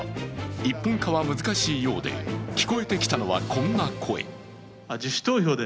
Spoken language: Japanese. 一本化は難しいようで聞こえてきたのはこんな声。